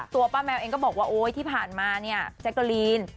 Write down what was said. ตัวป้าแมวเองก็บอกว่าโอ๊ยที่ผ่านมาเนี่ยแจ๊กกะลีน